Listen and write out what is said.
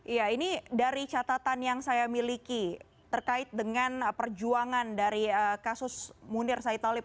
ya ini dari catatan yang saya miliki terkait dengan perjuangan dari kasus munir saitalip